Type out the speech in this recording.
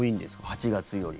８月より。